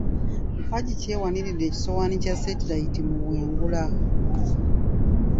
Mpagi ki ewaniridde ekisowani kya ssetirayiti mu bwengula?